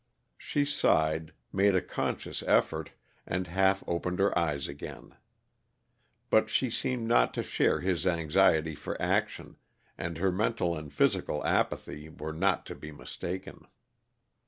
She sighed, made a conscious effort, and half opened her eyes again. But she seemed not to share his anxiety for action, and her mental and physical apathy were not to be mistaken.